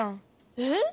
えっ？